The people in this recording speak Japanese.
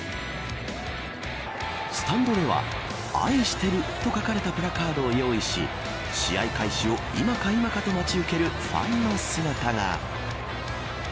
スタンドでは愛してると書かれたプラカードを用意し試合開始を今か今かと待ち受けるファンの姿が。